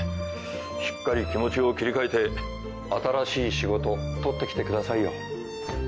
しっかり気持ちを切り替えて新しい仕事取ってきてくださいよ。